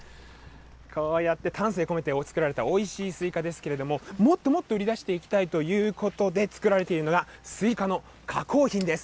こうやって丹精込めて作られたおいしいスイカですけれども、もっともっと売り出していきたいということで、作られているのがスイカの加工品です。